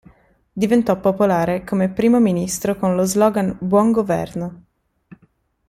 Diventò popolare come primo ministro con lo slogan "buon governo".